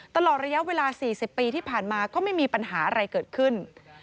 ตลอดระยะเวลา๔๐ปีที่ผ่านมาก็ไม่มีปัญหาอะไรเกิดขึ้น